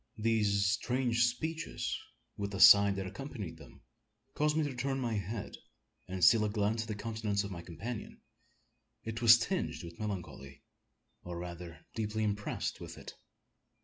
These strange speeches, with the sigh that accompanied them, caused me to turn my head, and steal a glance at the countenance of my companion. It was tinged with melancholy, or rather deeply impressed with it.